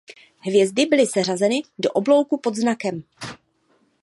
Hvězdy byly seřazeny do oblouku pod znakem.